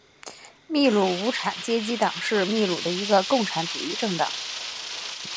秘鲁无产阶级党是秘鲁的一个共产主义政党。